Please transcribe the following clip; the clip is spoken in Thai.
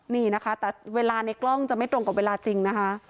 นี่นะคะแต่เวลาในกล้องจะไม่ตรงกับเวลาจริงนะคะ